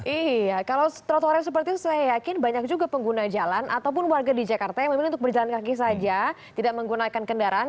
iya kalau trotoarnya seperti itu saya yakin banyak juga pengguna jalan ataupun warga di jakarta yang memilih untuk berjalan kaki saja tidak menggunakan kendaraan